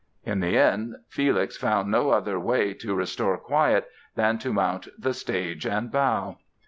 In the end Felix found no other way to restore quiet than to mount the stage and bow.